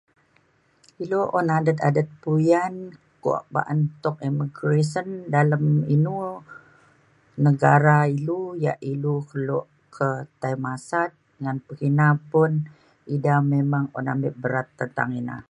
ilu un adet adet puyan kuo ba'an tuk imigresen dalem inu negara ilu ia' ilu kelo ke tai masat ngan pekina pun ida memang un ambil berat tentang ina